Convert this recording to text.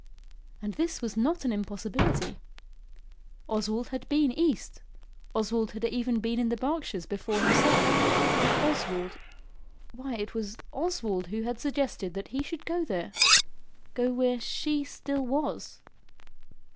And this was not an impossibility. Oswald had been east, Oswald had even been in the Berkshires before himself. Oswald Why it was Oswald who had suggested that he should go there go where she still was.